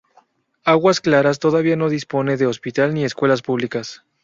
Águas Claras todavía no dispone de hospital ni escuelas públicas.